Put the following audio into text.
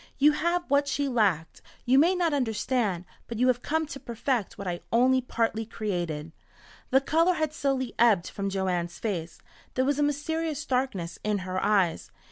You have what she lacked. You may not understand, but you have come to perfect what I only partly created." The colour had slowly ebbed from Joanne's face. There was a mysterious darkness in her eyes.